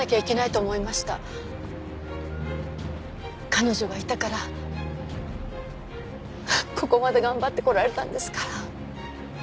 彼女がいたからここまで頑張ってこられたんですから。